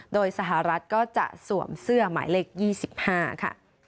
โดยสหรัฐก็จะสวมเสื้อหมายเลข๒๕ค่ะ